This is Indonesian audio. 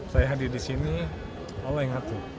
saya hadir di sini oleh yang ngatu